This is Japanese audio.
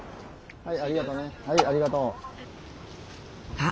はい。